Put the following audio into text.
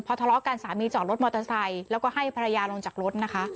ทะเลาะกันสามีจอดรถมอเตอร์ไซค์แล้วก็ให้ภรรยาลงจากรถนะคะ